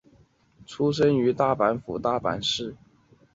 出身于大阪府大阪市。